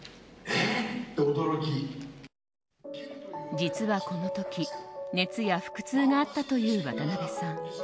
実は、この時熱や腹痛があったという渡辺さん。